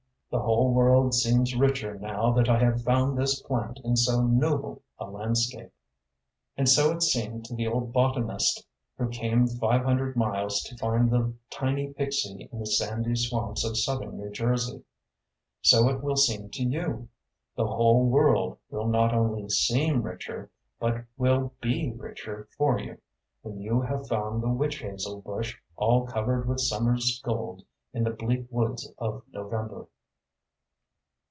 The whole world seems richer now that I have found this plant in so noble a landscape.” [Illustration: “A WILD CREATURE THAT WON’T GET OUT OF YOUR WAY”] And so it seemed to the old botanist who came five hundred miles to find the tiny pyxie in the sandy swamps of southern New Jersey. So it will seem to you the whole world will not only seem richer, but will be richer for you when you have found the witch hazel bush all covered with summer’s gold in the bleak woods of November.